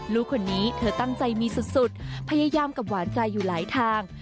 ลูกคนนี้เธอตั้งใจมีสุดพยายามกับหวานใจอยู่หลายทาง